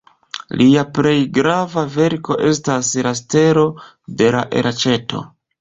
Lia plej grava verko estas "La Stelo de la Elaĉeto".